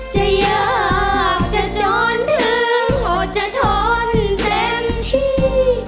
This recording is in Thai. จะอยากจะจนถึงจะทนเต็มที่